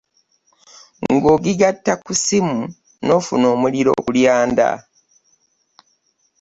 Ng'ogigatta ku ssimu n'ofuna omuliro ku lyanda.